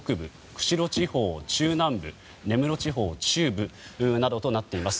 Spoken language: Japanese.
釧路地方中南部根室地方中部などとなっています。